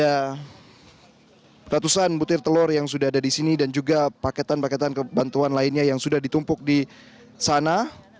ada ratusan butir telur yang sudah ada di sini dan juga paketan paketan bantuan lainnya yang sudah ditumpuk di sana